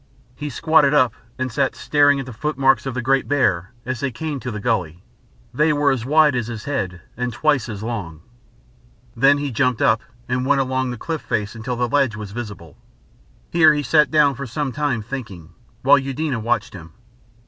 He squatted up and sat staring at the footmarks of the great bear as they came to the gully they were as wide as his head and twice as long. Then he jumped up and went along the cliff face until the ledge was visible. Here he sat down for some time thinking, while Eudena watched him.